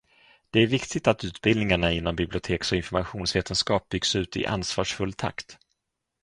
Det är viktigt att utbildningarna inom biblioteks- och informationsvetenskap byggs ut i ansvarsfull takt.